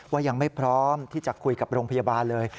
ยังไม่พร้อมที่จะคุยกับโรงพยาบาลเลย